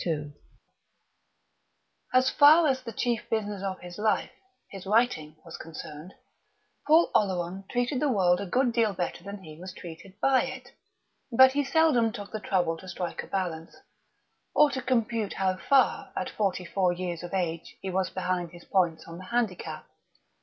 II As far as the chief business of his life his writing was concerned, Paul Oleron treated the world a good deal better than he was treated by it; but he seldom took the trouble to strike a balance, or to compute how far, at forty four years of age, he was behind his points on the handicap.